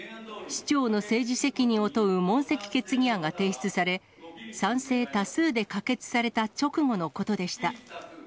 市長の政治責任を問う問責決議案が提出され、賛成多数で可決された直後のことでした。